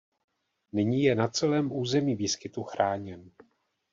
Nyní je na celém území výskytu chráněn.